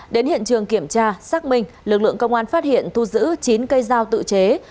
đến hiện trường kiểm tra xác minh lực lượng công an phát hiện thu giữ chín cây dao tự chế